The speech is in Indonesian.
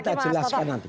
nah terakhir mas toto